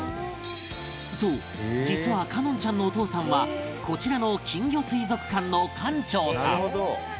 そう実は叶穏ちゃんのお父さんはこちらの金魚水族館の館長さん